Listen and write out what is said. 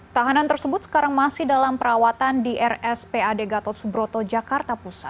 tahanan tersebut sekarang masih dalam perawatan di rs pad gatot subroto jakarta pusat